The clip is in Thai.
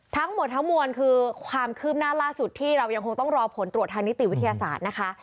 ทั้งหมดทั้งมวลคือความคืบหน้าล่าสุดที่เรายังคงต้องรอผลตรวจทางนิติวิทยาศาสตร์นะคะ